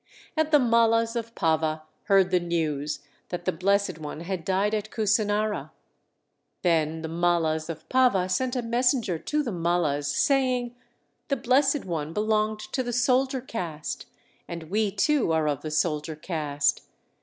And the Mallas of Pava heard the news that the Blessed One had died at Kusinara. Then the Mallas of Pava sent a messenger to the Mallas, saying, "The Blessed One belonged to the soldier caste, and we too are of the soldier caste.